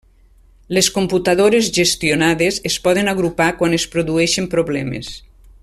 Les computadores gestionades es poden agrupar quan es produeixen problemes.